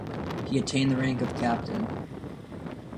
He attained the rank of captain.